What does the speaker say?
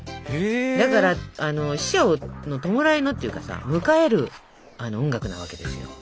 だから死者の弔いのっていうかさ迎える音楽なわけですよ。